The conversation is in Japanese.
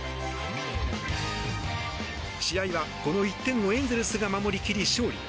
試合はこの１点をエンゼルスが守り切り、勝利。